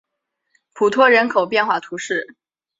雷托人口变化图示